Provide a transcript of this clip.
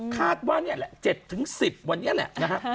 คาดว่านี่แหละ๗๑๐วันนี้แหละนะฮะ